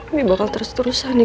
ini bakal terus terusan nih